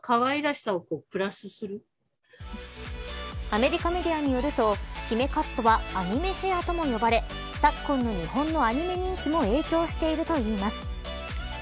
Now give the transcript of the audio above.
アメリカメディアによると姫カットはアニメヘアとも呼ばれ昨今の日本のアニメ人気も影響しているといいます。